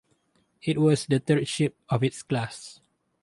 It was the third ship of its class.